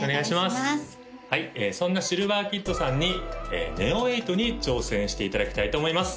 はいそんなＳｉｌｖｅｒＫｉｄｄさんにＮＥＯ８に挑戦していただきたいと思います